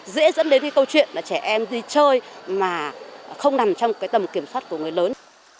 dễ dẫn đến cái câu chuyện là trẻ em đi chơi mà không nằm trong cái tầm kiểm soát của người lớn